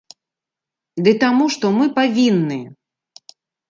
Ды таму, што мы павінны.